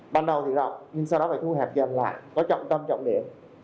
ban đầu thì rộng nhưng sau đó phải thu hẹp dần lại có trọng tâm trọng điểm